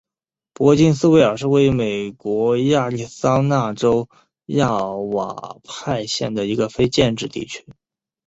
珀金斯维尔是位于美国亚利桑那州亚瓦派县的一个非建制地区。